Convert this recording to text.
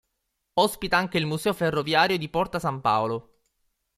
Ospita anche il Museo ferroviario di Porta San Paolo.